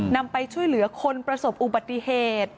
นำไปช่วยเหลือคนประสบอุบัติเหตุ